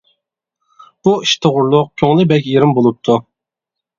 بۇ ئىش توغرىلىق كۆڭلى بەك يېرىم بولۇپتۇ.